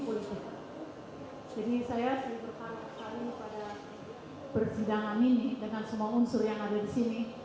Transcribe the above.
jadi saya sedang berkata pada persidangan ini dengan semua unsur yang ada di sini